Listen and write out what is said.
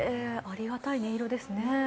ありがたい音色ですね。